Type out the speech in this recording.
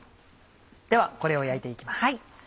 ではこれを焼いて行きます。